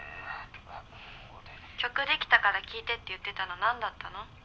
曲できたから聞いてって言ってたのなんだったの？